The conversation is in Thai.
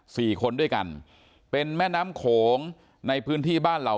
สี่คนด้วยกันเป็นแม่น้ำโขงในพื้นที่บ้านเหล่า